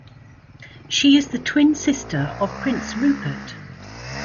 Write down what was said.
She is the twin sister of Prince Rupert.